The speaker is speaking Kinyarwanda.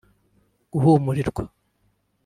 guhumurirwa